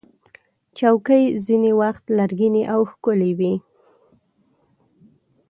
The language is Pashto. چوکۍ ځینې وخت لرګینې او ښکلې وي.